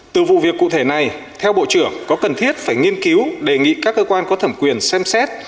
từ vụ việc cụ thể này theo bộ trưởng có cần thiết phải nghiên cứu đề nghị các cơ quan có thẩm quyền xem xét